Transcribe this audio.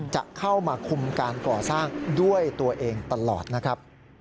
จะเข้ามาคุมการก่อสร้างด้วยตัวเองตลอดนะครับ